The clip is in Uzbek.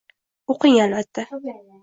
O'qing, albatta